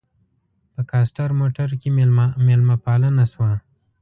په کاسټر موټر کې مېلمه پالنه شوه.